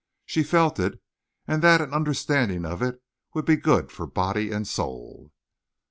She felt it, and that an understanding of it would be good for body and soul.